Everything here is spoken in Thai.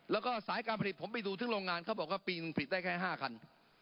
แล้วก็สายการผลิตผมไปดูถึงโรงงานเขาบอกว่าปีหนึ่งผิดได้แค่๕คัน